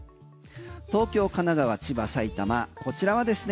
東京、神奈川、千葉、埼玉こちらはですね